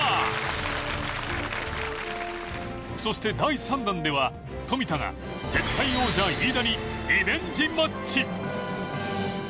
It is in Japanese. そして第３弾では富田が絶対王者飯田にリベンジマッチ！